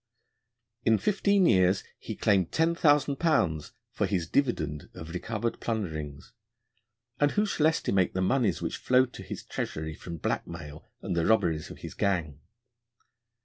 In fifteen years he claimed £10,000 for his dividend of recovered plunderings, and who shall estimate the moneys which flowed to his treasury from blackmail and the robberies of his gang?